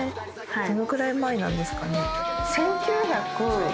どのくらい前なんですかね？